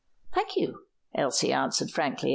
"Thank you," Elsie answered frankly.